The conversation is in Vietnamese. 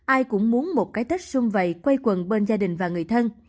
ai cũng muốn một cái tết xung vầy quay quần bên gia đình và người thân